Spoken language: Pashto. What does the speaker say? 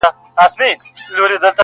o کار چا وکی، چي تمام ئې کی!